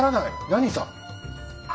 何さ？